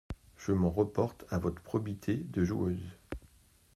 Je m'en rapporte à votre probité de joueuse.